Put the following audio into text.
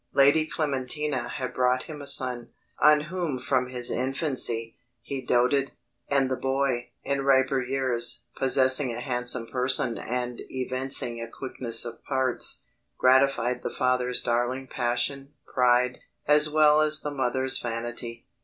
Lady Clementina had brought him a son, on whom from his infancy, he doated and the boy, in riper years, possessing a handsome person and evincing a quickness of parts, gratified the father's darling passion, pride, as well as the mother's vanity.